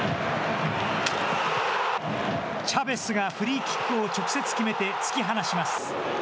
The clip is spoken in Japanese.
チャベスがフリーキックを直接決めて、突き放します。